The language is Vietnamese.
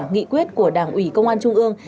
nghị quyết của đảng ủy công an trung ương